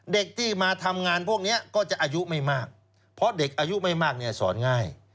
เด็กที่มาทำงานพวกนี้ก็จะอายุไม่มากเพราะเด็กอายุไม่มากเนี่ยสอนง่าย